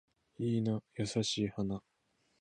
いいな優しい花